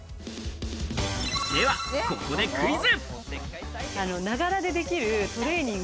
では、ここでクイズ。